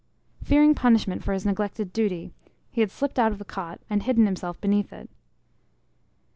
Fearing punishment for his neglected duty, he had slipped out of the cot, and hidden himself beneath it.